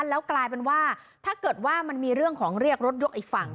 แล้วกลายเป็นว่าถ้าเกิดว่ามันมีเรื่องของเรียกรถยกอีกฝั่ง